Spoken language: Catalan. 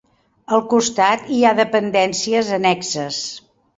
Al costat hi ha dependències annexes.